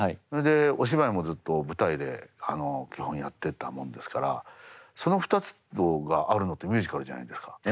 それでお芝居もずっと舞台で基本やってたもんですからその２つがあるのってミュージカルじゃないですか。